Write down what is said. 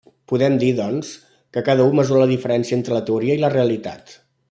Podem dir, doncs, que cada ui mesura la diferència entre la teoria i la realitat.